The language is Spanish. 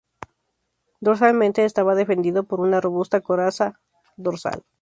Dorsalmente estaba defendido por una robusta coraza dorsal.